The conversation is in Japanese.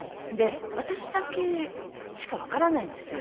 私だけしかわからないんですよ。